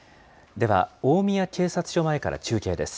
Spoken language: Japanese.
では、大宮警察署前から中継です。